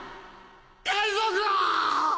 海賊王！